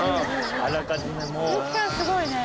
すごいね。